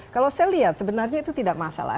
kalau saya lihat sebenarnya itu tidak masalah